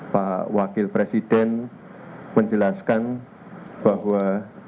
pak wakil presiden menjelaskan bahwa